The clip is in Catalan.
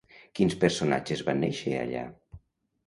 Quins personatges van néixer allà?